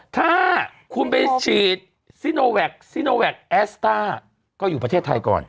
ถ้าคุณไปฉีดซิโนแวคซิโนแวคแอสต้าก็อยู่ประเทศไทยก่อน